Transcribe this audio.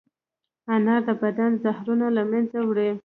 انار د بدن زهرونه له منځه وړي.